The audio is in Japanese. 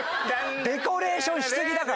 デコレーションしすぎだから！